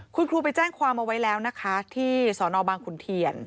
คุณครูไปแจ้งความเอาไว้แล้วนะคะที่สนบางขุนเทียน